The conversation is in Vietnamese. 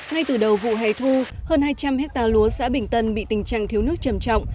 ngay từ đầu vụ hè thu hơn hai trăm linh hectare lúa xã bình tân bị tình trạng thiếu nước trầm trọng